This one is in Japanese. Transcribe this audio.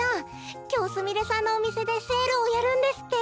きょうすみれさんのおみせでセールをやるんですって。